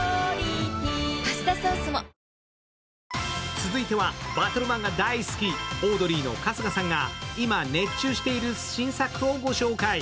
続いてはバトルマンガ大好き、オードリーの春日さんが、今熱中している新作をご紹介。